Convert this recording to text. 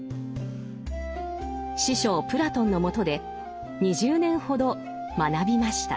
師匠プラトンのもとで２０年ほど学びました。